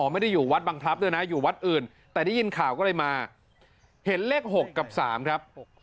ไม่ได้อยู่วัดบังพลับด้วยนะอยู่วัดอื่นแต่ได้ยินข่าวก็เลยมาเห็นเลข๖กับ๓ครับ